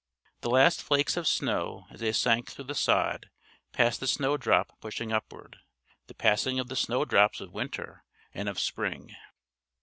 The last flakes of snow as they sank through the sod passed the snowdrop pushing upward the passing of the snowdrops of winter and of spring.